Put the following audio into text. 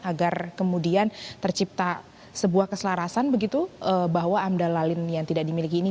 agar kemudian tercipta sebuah keselarasan begitu bahwa amdal lalin yang tidak dimiliki ini